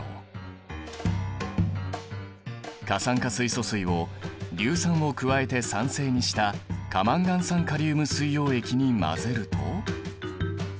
過酸化水素水を硫酸を加えて酸性にした過マンガン酸カリウム水溶液に混ぜると。